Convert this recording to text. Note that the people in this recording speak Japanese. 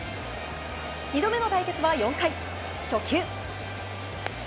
２度目の対決は４回、初球。